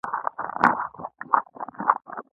تاسو بار بار غلط نمبر ډائل کوئ ، نمبر به مو بند شي